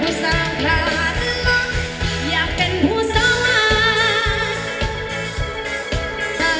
ผู้สร้างขาดล้อมอยากเป็นผู้สร้าง